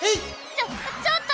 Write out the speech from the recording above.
ちょちょっと！